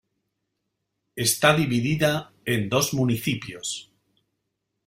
Está dividida en dos municipios.